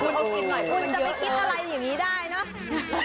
คุณจะไม่คิดอะไรอย่างนี้ได้ใช่ไหม